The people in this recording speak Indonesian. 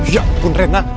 ya ampun reina